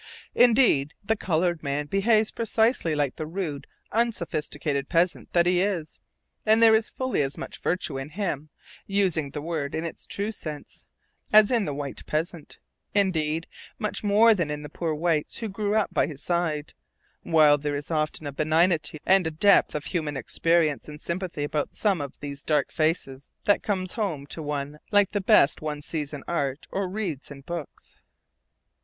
Indeed, the colored man behaves precisely like the rude unsophisticated peasant that he is, and there is fully as much virtue in him, using the word in its true sense, as in the white peasant; indeed, much more than in the poor whites who grew up by his side; while there is often a benignity and a depth of human experience and sympathy about some of these dark faces that comes home to one like the best one sees in art or reads in books.